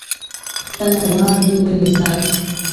خپله لار دي ونیسه !